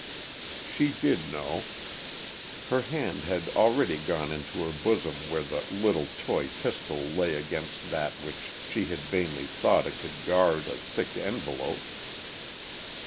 She did know. Her hand had already gone into her bosom where the "little toy pistol" lay against that which she had vainly thought it could guard, a thick envelope.